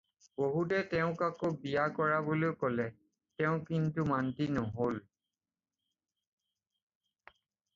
বহুতে তেওঁক আকৌ বিয়া কৰাবলৈ ক'লে, তেওঁ কিন্তু মান্তি নহ'ল।